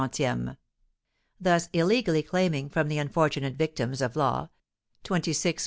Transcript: _; thus illegally claiming from the unfortunate victims of law 26_f._ 80_c.